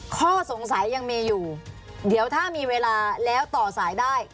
ข้อสงสัยยังมีอยู่เดี๋ยวถ้ามีเวลาแล้วต่อสายได้